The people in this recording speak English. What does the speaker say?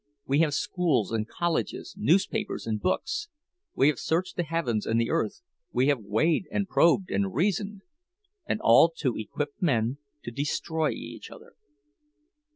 We have schools and colleges, newspapers and books; we have searched the heavens and the earth, we have weighed and probed and reasoned—and all to equip men to destroy each other!